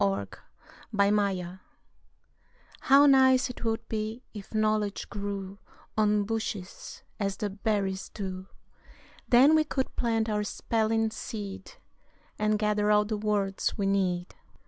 EASY KNOWLEDGE How nice 'twould be if knowledge grew On bushes, as the berries do! Then we could plant our spelling seed, And gather all the words we need.